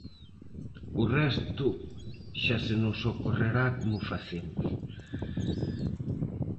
O resto xa se nos ocorrerá como facemos.